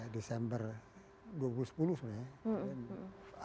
desember dua ribu sepuluh sebenarnya